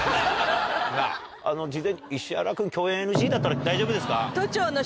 事前に石原君共演ＮＧだったら大丈夫ですか？